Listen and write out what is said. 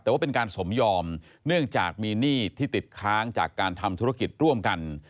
แต่ว่าเป็นการสมยอมเนื่องจากมีหนี้ที่ติดค้างจากการทำธุรกิจร่วมกัน